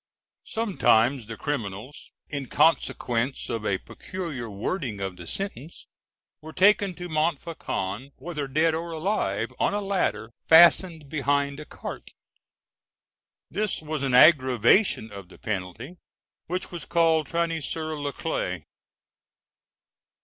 ] Sometimes the criminals, in consequence of a peculiar wording of the sentence, were taken to Montfaucon, whether dead or alive, on a ladder fastened behind a cart. This was an aggravation of the penalty, which was called traîner sur la claie.